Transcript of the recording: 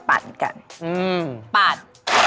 ป๊านเลย